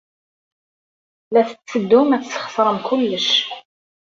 La tetteddum ad tesxeṣrem kullec.